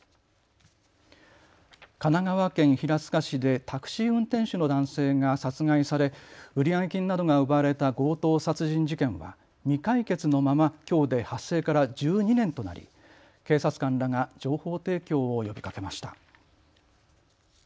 神奈川県平塚市でタクシー運転手の男性が殺害され売上金などが奪われた強盗殺人事件は未解決のままきょうで発生から１２年となり警察官らが情報提供を呼びかけました。